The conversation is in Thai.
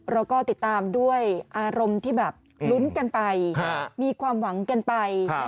เราก็ติดตามด้วยอารมณ์ที่แบบลุ้นกันไปมีความหวังกันไป